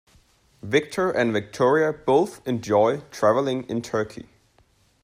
Victor and Victoria both enjoy traveling in Turkey.